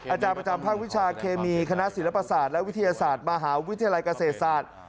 อาจารย์ประจำภาควิชาเคมีคณะศิลปศาสตร์และวิทยาศาสตร์มหาวิทยาลัยเกษตรศาสตร์